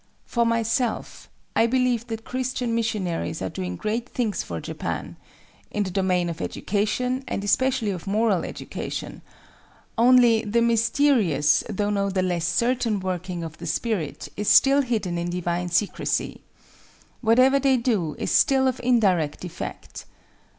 For myself, I believe that Christian missionaries are doing great things for Japan—in the domain of education, and especially of moral education:—only, the mysterious though not the less certain working of the Spirit is still hidden in divine secrecy. Whatever they do is still of indirect effect.